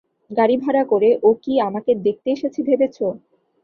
গাড়িভাড়া করে ও কি আমাকে দেখতে এসেছে ভেবেছ?